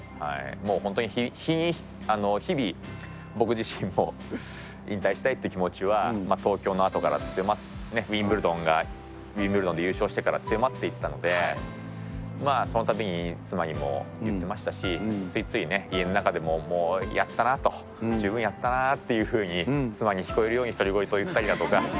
本当に日々、僕自身も引退したいっていう気持ちは東京のあとから強まって、ウィンブルドンで優勝してから強まっていったので、そのたびに妻にも言ってましたし、ついついね、家の中でももうやったなと、十分やったなというふうに、妻に聞こえるように独り言を言ったりだとか。